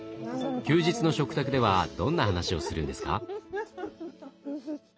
休日の食卓ではどんな話をするんですか？